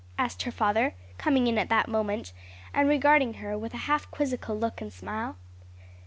asked her father, coming in at that moment, and regarding her with a half quizzical look and smile.